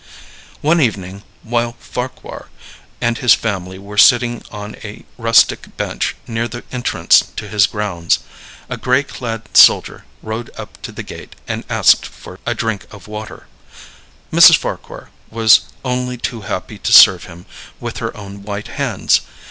One evening, while Farquhar and his wife were sitting on a rustic bench near the entrance to his grounds, a gray clad soldier rode up to the gate and asked for a drink of water. Mrs. Farquhar was only too happy to serve him with her own white hands.